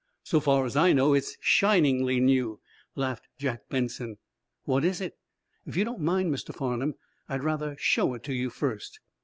"So far as I know, it's shiningly new," laughed Jack Benson. "What is it?" "If you don't mind, Mr. Farnum, I'd rather show it to you first."